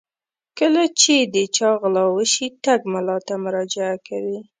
کله چې د چا غلا وشي ټګ ملا ته مراجعه کوي.